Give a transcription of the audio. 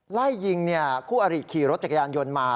ไล่ยิงคู่อริขี่รถจักรยานยนต์มา